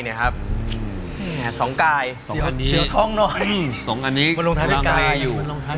นี้ร่างเลอยู่